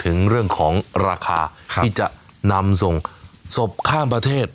ถึงเรื่องของราคาที่จะนำส่งศพข้ามประเทศ